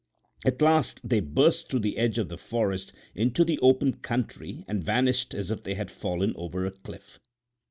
At last they burst through the edge of the forest into the open country and vanished as if they had fallen over a cliff.